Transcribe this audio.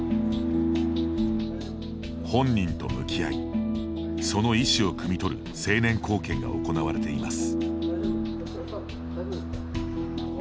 本人と向き合いその意思をくみ取る成年後見が行われています。